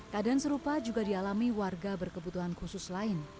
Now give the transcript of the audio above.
keadaan serupa juga dialami warga berkebutuhan khusus lain